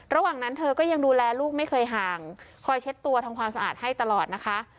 ระหว่างนั้นเธอก็ยังดูแลลูกไม่เคยห่างคอยเช็ดตัวทำความสะอาดให้ตลอดนะคะ